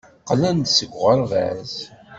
Qqlen-d seg uɣerbaz.